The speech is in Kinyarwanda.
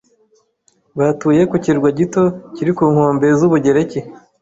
Batuye ku kirwa gito kiri ku nkombe z'Ubugereki.